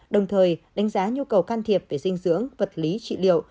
đồng thời đánh giá nhu cầu can thiệp về dinh dưỡng vật lý trị liệu